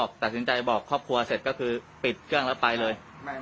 ตัดสินใจบอกครอบครัวเสร็จก็คือปิดเครื่องแล้วไปเลย